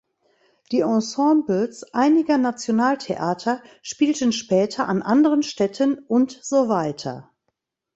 Die Ensembles einiger Nationaltheater spielten später an anderen Stätten und so weiter